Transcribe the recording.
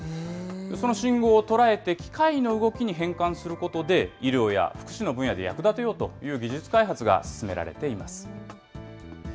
その信号を捉えて機械の動きに変換することで、医療や福祉の分野で役立てようという技術開発が進められています。